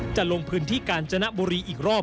จะลงพื้นที่กาญจนบุรีอีกรอบ